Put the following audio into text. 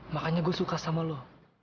makanya gua suka sama lu